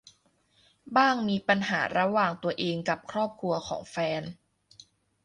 บ้างมีปัญหาระหว่างตัวเองกับครอบครัวของแฟน